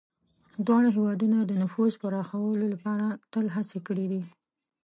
دواړه هېوادونه د نفوذ پراخولو لپاره تل هڅې کړي دي.